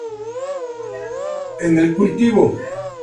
En el cultivo.